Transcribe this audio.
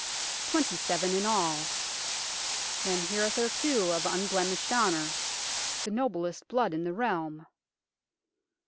Twenty seven in all ;" men hitherto of unblemished honour the noblest blood in the realm."